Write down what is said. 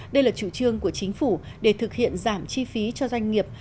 đây là chủ trương của chính phủ để thực hiện giảm chi phí cho doanh nghiệp